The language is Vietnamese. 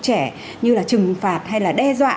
trẻ như là trừng phạt hay là đe dọa